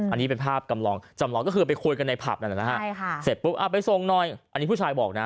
อันนี้เป็นภาพกำลองจำลองก็คือไปคุยกันในผับไปส่งหน่อยอันนี้ผู้ชายบอกนะ